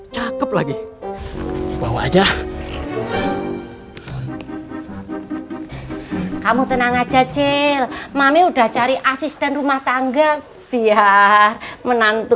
cakep lagi bawa aja kamu tenang aja cil mami udah cari asisten rumah tangga biar menantu